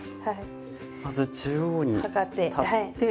まず中央に立って。